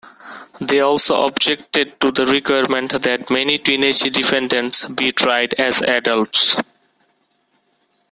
They also objected to the requirement that many teenage defendants be tried as adults.